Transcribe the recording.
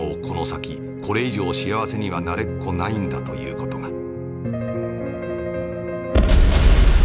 この先これ以上幸せにはなれっこないんだという事が」。